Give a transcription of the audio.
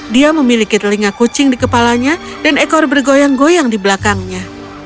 dia memiliki telinga kucing di kepalanya dan ekor bergoyang goyang di belakangnya